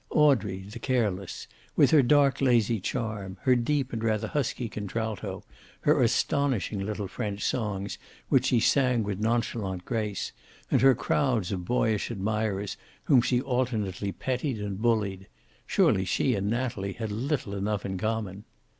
Audrey the careless, with her dark lazy charm, her deep and rather husky contralto, her astonishing little French songs, which she sang with nonchalant grace, and her crowds of boyish admirers whom she alternately petted and bullied surely she and Natalie had little enough in common.